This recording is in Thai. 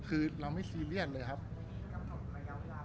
รูปนั้นผมก็เป็นคนถ่ายเองเคลียร์กับเรา